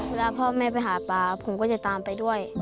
เวลาพ่อแม่ไปหาปลาผมก็จะตามไปด้วย